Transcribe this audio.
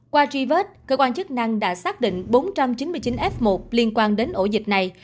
qua truy vết cơ quan chức năng đã xác định bốn trăm chín mươi chín f một liên quan đến ổ dịch này